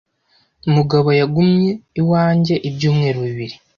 Mugabo yagumye iwanjye ibyumweru bibiri